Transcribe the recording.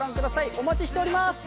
お待ちしております。